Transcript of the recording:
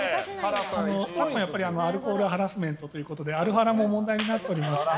更に、アルコールハラスメントということでアルハラも問題になっていますので。